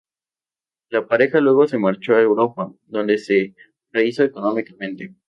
La pareja luego se marchó a Europa, donde se rehízo económicamente.